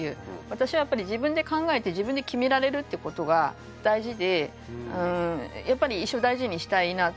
私はやっぱり自分で考えて自分で決められるってことが大事でうんやっぱり一生大事したいなと思っているんですね。